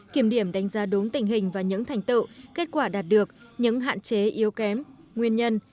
kiểm điểm đánh giá đúng tình hình và những thành tựu kết quả đạt được những hạn chế yếu kém nguyên nhân